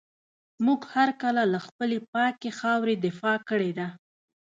موږ هر کله له خپلي پاکي خاوري دفاع کړې ده.